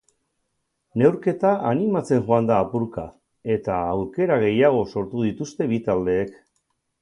Neurketa animatzen joan da apurka eta aukera gehiago sortu dituzte bi taldeek.